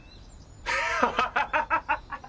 ハハハハッ！